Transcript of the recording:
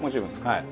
はい。